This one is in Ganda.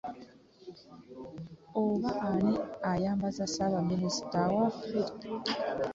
Oba ani ayambaza ssabaminisita waffe.